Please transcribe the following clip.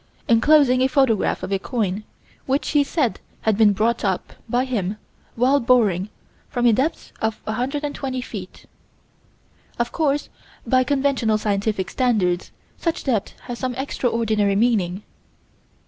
enclosing a photograph of a coin, which he said had been brought up, by him, while boring, from a depth of 120 feet. Of course, by conventional scientific standards, such depth has some extraordinary meaning.